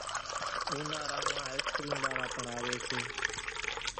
اونارا مان آئيسڪريم وارا پڻ آويَ سي۔